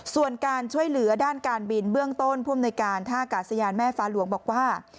ส่วนการช่วยเหลือด้านการบินเบื้องต้นผู้อำนวยการท่ากาศยานแม่ฟ้าหลวงบอกว่า